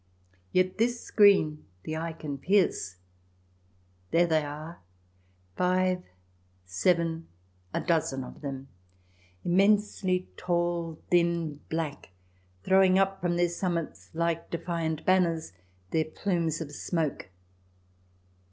Yet this screen the eye can pierce ; there they are — five, seven, a dozen of them, immensely tall, thin, black, throwing up from their summits, like defiant banners, their plumes of smoke.